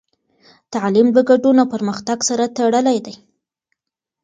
تعلیم د ګډون او پرمختګ سره تړلی دی.